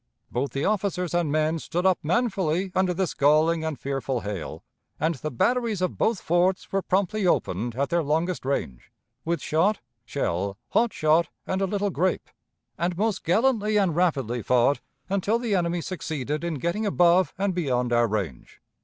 "Both the officers and men stood up manfully under this galling and fearful hail, and the batteries of both forts were promptly opened at their longest range, with shot, shell, hot shot, and a little grape, and most gallantly and rapidly fought, until the enemy succeeded in getting above and beyond our range.